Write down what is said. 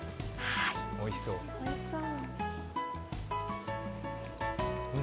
おいしそう。